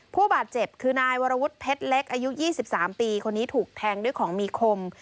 ผู้บาดเจ็บคือนายวรวุฒิเพชรเล็กอายุ๒๓ปีคนนี้ถูกแทงด้วยของมีคม